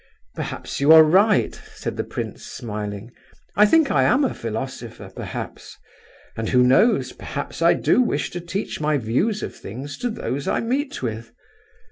"Perhaps you are right," said the prince, smiling. "I think I am a philosopher, perhaps, and who knows, perhaps I do wish to teach my views of things to those I meet with?"